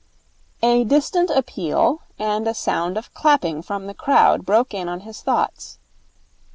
A distant appeal and a sound of clapping from the crowd broke in on his thoughts.